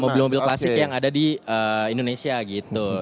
mobil mobil klasik yang ada di indonesia gitu